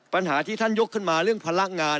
ปัญหาที่ท่านยกขึ้นมาเรื่องพลังงาน